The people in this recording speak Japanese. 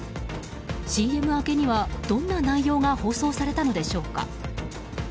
ＣＭ明けにはどんな内容が放送されたのでしょうか。